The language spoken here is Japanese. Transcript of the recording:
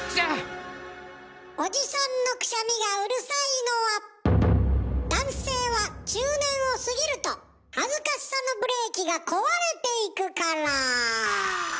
おじさんのくしゃみがうるさいのは男性は中年を過ぎると恥ずかしさのブレーキが壊れていくから。